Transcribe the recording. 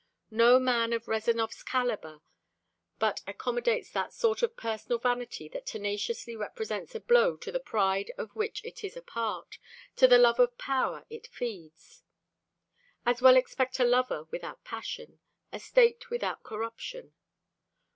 No man of Rezanov's caliber but accommodates that sort of personal vanity that tenaciously resents a blow to the pride of which it is a part, to the love of power it feeds. As well expect a lover without passion, a state without corruption.